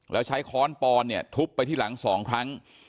แล้วใช้ค้อนปอนเนี่ยทุบไปที่หลัง๒ครั้ง